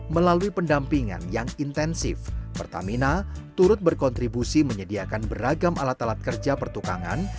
melalui pendampingan yang intensif pertamina turut berkontribusi menyediakan beragam alat alat kerja pertukangan